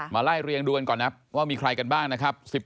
ไล่เรียงดูกันก่อนนะว่ามีใครกันบ้างนะครับ